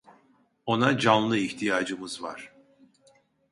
Ona canlı ihtiyacımız var.